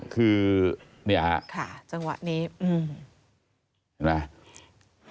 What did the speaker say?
คือเนี่ยฮะค่ะจังหวะนี้เห็นไหม